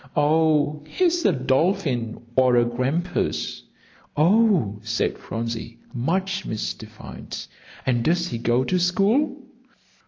"Oh, he's a dolphin or a grampus." "Oh," said Phronsie, much mystified, "and does he go to school?"